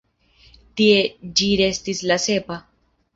Tie ĝi restis la sepa.